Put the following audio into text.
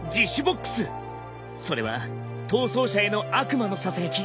それは逃走者への悪魔のささやき。